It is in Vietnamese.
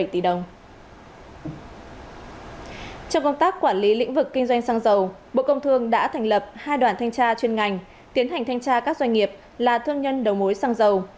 trong công tác quản lý lĩnh vực kinh doanh xăng dầu bộ công thương đã thành lập hai đoàn thanh tra chuyên ngành tiến hành thanh tra các doanh nghiệp là thương nhân đầu mối xăng dầu